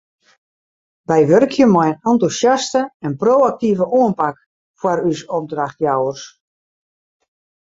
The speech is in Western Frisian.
Wy wurkje mei in entûsjaste en pro-aktive oanpak foar ús opdrachtjouwers.